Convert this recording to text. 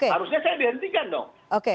harusnya saya dihentikan dong